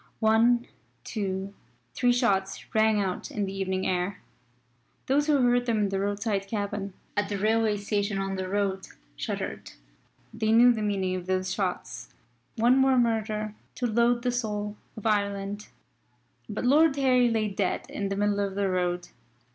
One, two, three shots rang out in the evening air. Those who heard them in the roadside cabin, at the railway station on the road, shuddered. They knew the meaning of those shots. One more murder to load the soul of Ireland. But Lord Harry lay dead in the middle of the road.